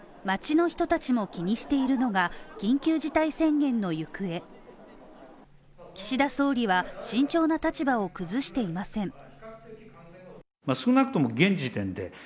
町の人たちも気にしているのが、緊急事態宣言の行方岸田総理は慎重な立場を崩していません。